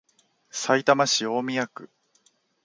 さいたま市大宮区